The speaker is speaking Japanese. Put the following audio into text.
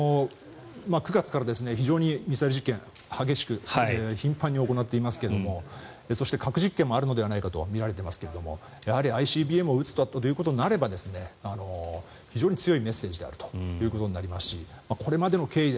９月から非常にミサイル実験が激しく頻繁に行っていますが核実験もあるのではないかとみられていますがやはりＩＣＢＭを撃つということになると非常に強いメッセージということになりますしこれまでの経緯